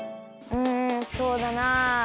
うんそうだなあ。